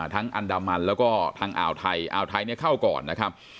ทั้งอันดามันและก็ทางอ่าวไทอ่าวไทนี้เข้าก่อนนะครับ